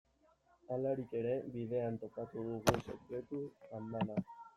Halarik ere, bidean topatu dugun sekretu andana.